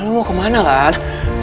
lu mau kemana lan